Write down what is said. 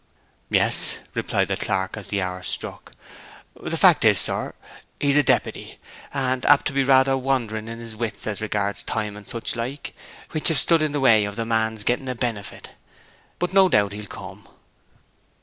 'Yes,' replied the clerk, as the hour struck. 'The fact is, sir, he is a deppity, and apt to be rather wandering in his wits as regards time and such like, which hev stood in the way of the man's getting a benefit. But no doubt he'll come.'